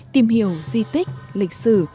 tìm hiểu di tích lịch sử